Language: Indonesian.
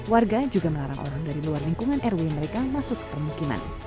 warga juga melarang orang dari luar lingkungan rw mereka masuk ke permukiman